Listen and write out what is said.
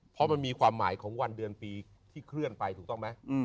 เพราะมันมีความหมายของวันเดือนปีที่เคลื่อนไปถูกต้องไหม